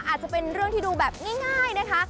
อาจจะเป็นเรื่องที่ดูแบบง่ายนะคะ